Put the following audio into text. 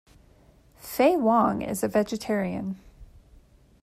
Faye Wong is a vegetarian.